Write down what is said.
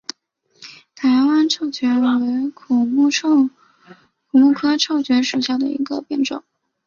台湾臭椿为苦木科臭椿属下的一个变种。